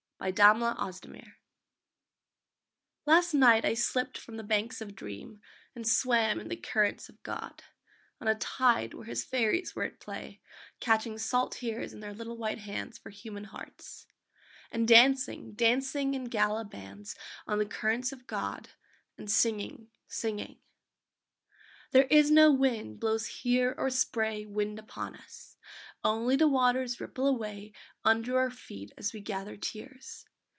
THE FAIRIES OF GOD Last night I slipt from the banks of dream And swam in the currents of God, On a tide where His fairies were at play, Catching salt tears in their little white hands, For human hearts; And dancing, dancing, in gala bands, On the currents of God; And singing, singing: _There is no wind blows here or spray Wind upon us! Only the waters ripple away Under our feet as we gather tears.